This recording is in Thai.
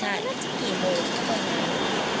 แล้วนี้จะคิดว่ามีไหน